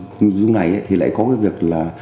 trong cái nội dung này thì lại có cái việc là